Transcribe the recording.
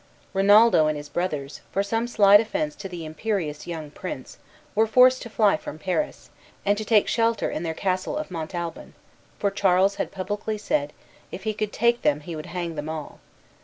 Rinaldo and his brothers, for some slight offence to the imperious young prince, were forced to fly from Paris, and to take shelter in their castle of Montalban; for Charles had publicly said, if he could take them he would hang them all.